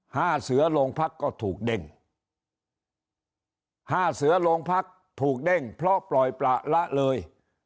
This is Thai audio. ห้าเสือโรงพักก็ถูกเด้งห้าเสือโรงพักถูกเด้งเพราะปล่อยประละเลย